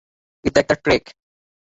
এটা একটা ট্রেক।